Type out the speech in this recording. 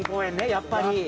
やっぱり。